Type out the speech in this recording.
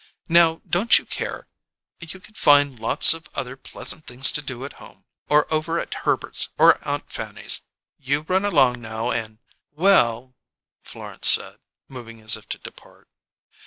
Now, don't you care: you can find lots of other pleasant things to do at home or over at Herbert's, or Aunt Fanny's. You run along now and " "Well " Florence said, moving as if to depart.